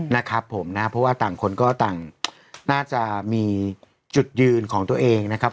นะครับผมนะเพราะว่าต่างคนก็ต่างน่าจะมีจุดยืนของตัวเองนะครับ